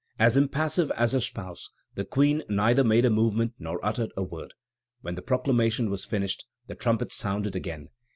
As impassive as her spouse, the Queen neither made a movement nor uttered a word. When the proclamation was finished, the trumpets sounded again.